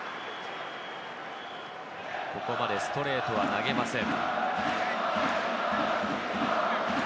ここまでストレートは投げません。